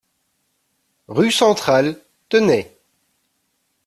Rue Centrale, Tenay